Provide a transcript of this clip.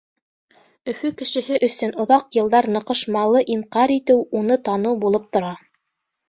Өфө кешеһе өсөн оҙаҡ йылдар ныҡышмалы инҡар итеү уны таныу булып тора.